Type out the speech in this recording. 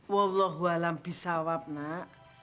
wallahualam bisawab nak